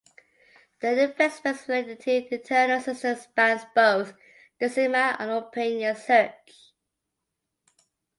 The investments related to internal systems spans both Decima and Opinion Search.